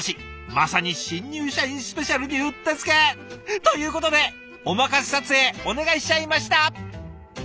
まさに「新入社員スペシャル」にうってつけ！ということでおまかせ撮影お願いしちゃいました！